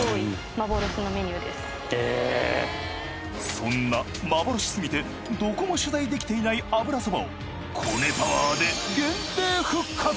そんな幻過ぎてどこも取材できていない油そばをコネパワーで限定復活